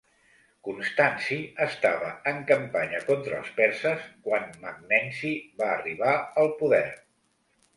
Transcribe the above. Constanci estava en campanya contra els perses quan Magnenci va arribar al poder.